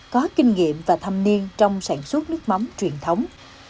có kinh nghiệm và thâm niên trong sản xuất nước mắm truyền thống